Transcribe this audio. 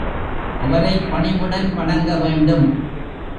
அவரைப் பணிவுடன் வணங்க வேண்டும்.